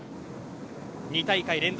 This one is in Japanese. ２大会連続